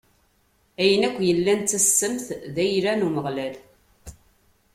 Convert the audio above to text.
Ayen akk yellan d tassemt d ayla n Umeɣlal.